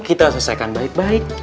kita selesaikan baik baik